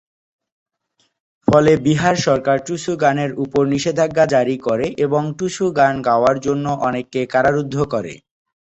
ফলে বিহার সরকার টুসু গানের উপর নিষেধাজ্ঞা জারি করে এবং টুসু গান গাওয়ার জন্য অনেককে কারারুদ্ধ করে।